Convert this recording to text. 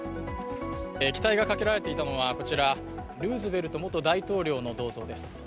液体がかけられていたのはこちらルーズベルト元大統領の銅像です。